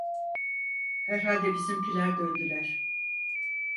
Herhalde bizimkiler döndüler.